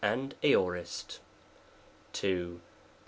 and Aorist. 2. The Pres.